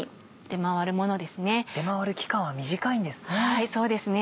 出回る期間は短いんですね。